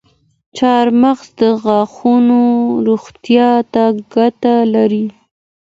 چارمغز د غاښونو روغتیا ته ګټه لري.